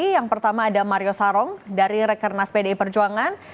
yang pertama ada mario sarong dari rekernas pdi perjuangan